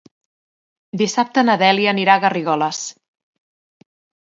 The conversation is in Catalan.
Dissabte na Dèlia anirà a Garrigoles.